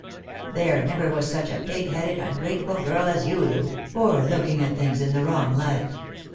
There never was such a pigheaded, ungrateful girl as yon, Loo, for looking at things in the wrong light.